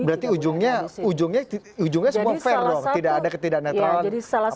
berarti ujungnya ujungnya semua fair dong tidak ada ketidak netralan